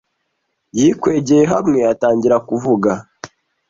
Yikwegeye hamwe atangira kuvuga.